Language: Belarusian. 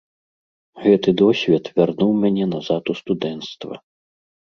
Гэты досвед вярнуў мяне назад у студэнцтва.